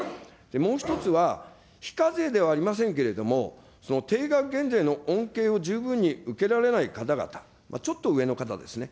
もう１つは、非課税ではありませんけれども、定額減税の恩恵を十分に受けられない方々、ちょっと上の方ですね。